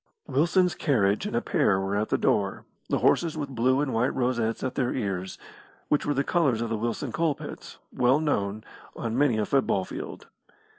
Wilson's carriage and pair were at the door, the horses with blue and white rosettes at their ears, which were the colours of the Wilson Coal pits, well known, on many a football field.